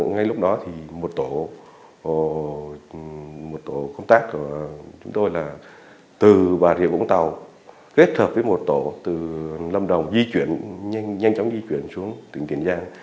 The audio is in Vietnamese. ngay lúc đó một tổ công tác của chúng tôi từ bà rịa vũng tàu kết hợp với một tổ từ lâm đồng nhanh chóng di chuyển xuống tỉnh tiền giang